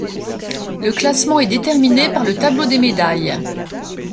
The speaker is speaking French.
Le classement est déterminé par le tableau des médailles.